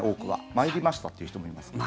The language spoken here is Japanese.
参りましたと言う人もいますけど。